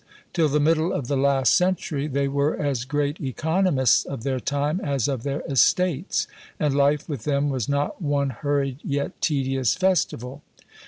Till the middle of the last century they were as great economists of their time as of their estates; and life with them was not one hurried yet tedious festival.